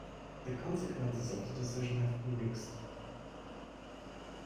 The consequences of the decision have been mixed.